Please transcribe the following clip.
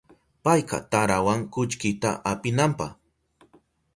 Payka tarawan kullkita apinanpa.